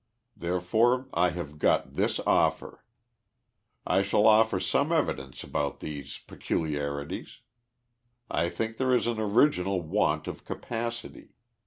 Therefore I have got this offer : I shall offer some evidence about these pe culiarities. I think there is an original want of capacity.